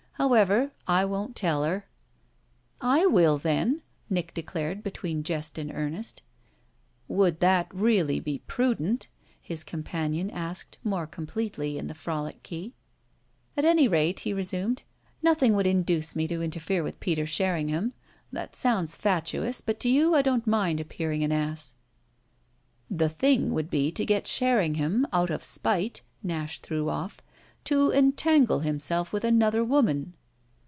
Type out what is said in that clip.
However, I won't tell her." "I will then!" Nick declared between jest and earnest. "Would that really be prudent?" his companion asked more completely in the frolic key. "At any rate," he resumed, "nothing would induce me to interfere with Peter Sherringham. That sounds fatuous, but to you I don't mind appearing an ass." "The thing would be to get Sherringham, out of spite," Nash threw off, "to entangle himself with another woman."